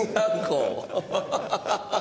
ハハハハ。